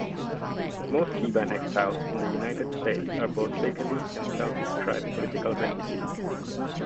Most Cuban exiles in the United States are both legally and self-described political refugees.